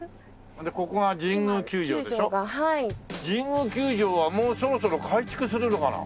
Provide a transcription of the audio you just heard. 神宮球場はもうそろそろ改築するのかな？